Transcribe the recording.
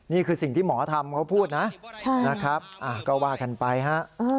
นี่คือสิ่งที่หมอทำเขาพูดนะนะครับก็ว่ากันไปฮะ